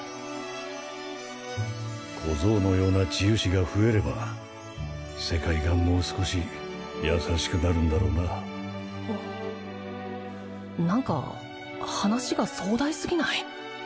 小僧のような治癒士が増えれば世界がもう少し優しくなるんだろうな何か話が壮大すぎない？